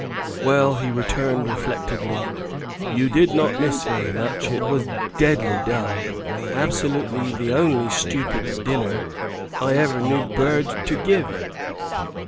" Well," he returned reflectively, " you did not miss very much. It was deadly dull, absolutely the only stupid dinner I ever knew Byrd to give.